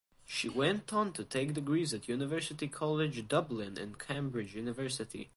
She went on to take degrees at University College Dublin and Cambridge University.